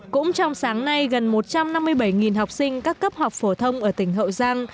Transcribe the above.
cũng trong sáng nay gần một trăm năm mươi bảy học sinh các cấp học phổ thông ở tỉnh hậu giang